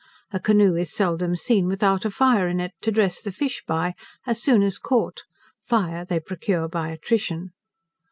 A canoe is seldom seen without a fire in it, to dress the fish by, as soon as caught: fire they procure by attrition.